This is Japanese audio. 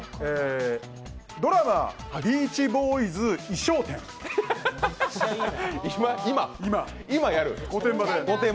ドラマ「ビーチボーイズ」衣装展。